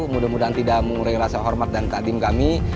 mudah mudahan tidak mengurangi rasa hormat dan takdim kami